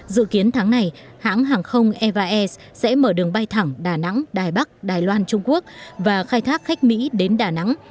dự kiến tháng này hãng hàng không evas sẽ mở đường bay thẳng đà nẵng đài bắc đài loan trung quốc và khai thác khách mỹ đến đà nẵng